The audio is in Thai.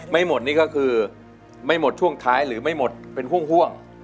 ไม่หมดนี่ก็คือไม่หมดช่วงท้ายหรือไม่หมดเป็นห่วง